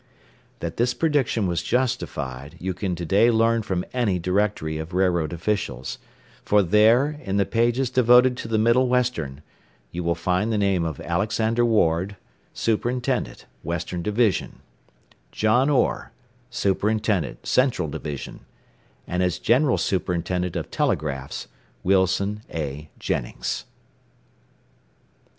That this prediction was justified, you can to day learn from any directory of railroad officials for there, in the pages devoted to the Middle Western, you will find the name of Alexander Ward, Superintendent, Western Division; John Orr, Superintendent, Central Division; and, as General Superintendent of Telegraphs, Wilson A. Jennings.